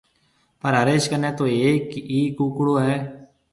پر هريش ڪنَي تو هيَڪ ئي ڪونڪڙو هيَ۔